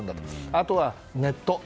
あとはネット。